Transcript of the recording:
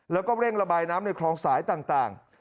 แล้วก็เร่งระบายน้ำในคลองสายต่าง